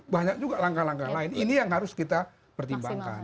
banyak juga langkah langkah lain ini yang harus kita pertimbangkan